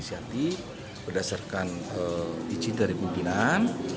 berarti berdasarkan izin dari pembinaan